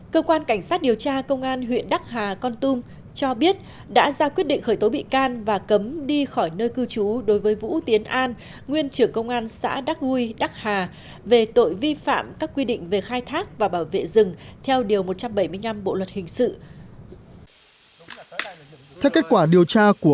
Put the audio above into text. cơ quan cảnh sát điều tra công an huyện đắc hà con tum cho biết đã ra quyết định khởi tố bị can và cấm đi khỏi nơi cư trú đối với vũ tiến an nguyên trưởng công an xã đắc huy đắc hà về tội vi phạm các quy định về khai thác và bảo vệ rừng theo điều một trăm bảy mươi năm bộ luật hình sự